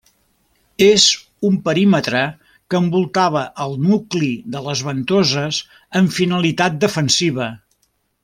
És un perímetre que envoltava el nucli de les Ventoses amb finalitat defensiva.